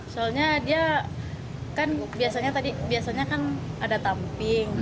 soalnya dia kan biasanya kan ada tamping